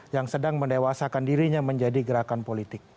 yang sedang mendewasakan dirinya menjadi gerakan politik